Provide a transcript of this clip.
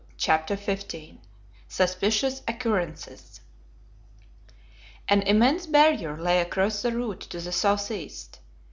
CHAPTER XV SUSPICIOUS OCCURRENCES AN immense barrier lay across the route to the southeast.